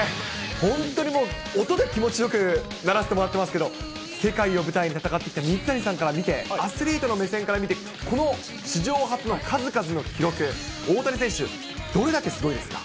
本当にもう、音で気持ちよくならせてもらっていますけれども、世界を舞台に戦ってきた水谷さんから見て、アスリートの目線から見て、この史上初の数々の記録、大谷選手、どれだけすごいですか？